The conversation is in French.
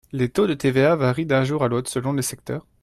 Les taux de TVA varient d’un jour à l’autre selon les secteurs.